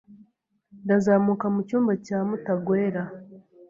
Ndazamuka mu cyumba cya Mutagwera.